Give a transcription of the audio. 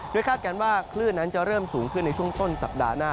คาดการณ์ว่าคลื่นนั้นจะเริ่มสูงขึ้นในช่วงต้นสัปดาห์หน้า